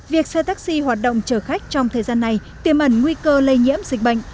việc xe taxi hoạt động chở khách trong thời gian này tiêm ẩn nguy cơ lây nhiễm dịch bệnh